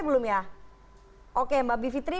belum ya oke mbak bivitri